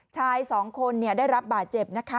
ชายสองคนได้รับบาดเจ็บนะคะ